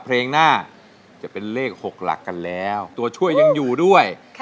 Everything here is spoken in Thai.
เพลงหน้าจะเป็นเลข๖หลักกันแล้วตัวช่วยยังอยู่ด้วย